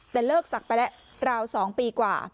แต่เลิกศักดิ์ไปแล้วราว๒ปีกว่า